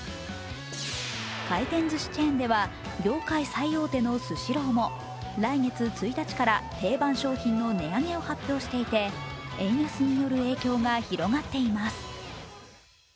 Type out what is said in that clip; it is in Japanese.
回転ずしチェーンでは、業界最大手のスシローも来月１日から定番商品の値上げを発表していて円安による影響が広がっています。